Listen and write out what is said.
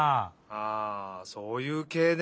ああそういうけいね。